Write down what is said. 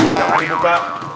dan jangan lupa